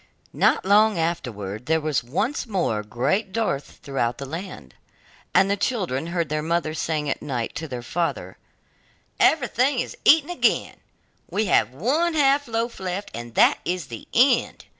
Not long afterwards, there was once more great dearth throughout the land, and the children heard their mother saying at night to their father: 'Everything is eaten again, we have one half loaf left, and that is the end.